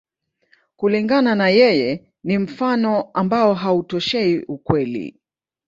Kulingana na yeye, ni mfano ambao hautoshei ukweli.